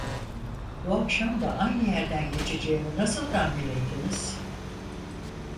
Bu akşam da aynı yerden geçeceğimi nasıl tahmin ettiniz?